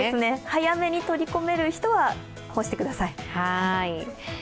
早めに取り込める人は干してください。